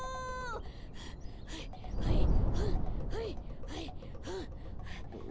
はぁはいはいはんはいはいはんはぁ。